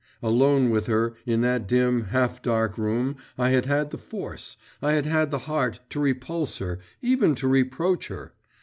Alone with her, in that dim, half dark room I had had the force, I had had the heart to repulse her, even to reproach her.